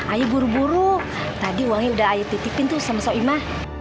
ayah buru buru tadi uangnya udah ayo titipin tuh sama sok imah